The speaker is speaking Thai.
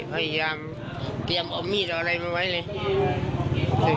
พยายามเตรียมเอามีดเอาอะไรมาไว้เลย